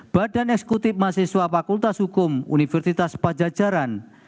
badan eksekutif mahasiswa fakultas hukum universitas pajajaran